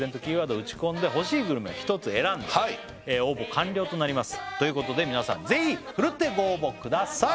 打ち込んで欲しいグルメを１つ選んで応募完了となりますということで皆さんぜひふるってご応募ください